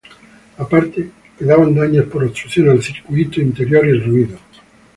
Aparte quedaban daños por obstrucción al Circuito Interior y el ruido.